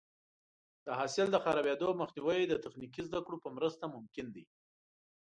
د حاصل د خرابېدو مخنیوی د تخنیکي زده کړو په مرسته ممکن دی.